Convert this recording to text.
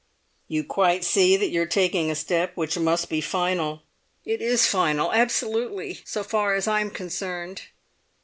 "You quite see that you are taking a step which must be final?" "It is final—absolutely—so far as I am concerned."